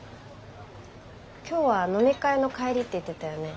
今日は飲み会の帰りって言ってたよね？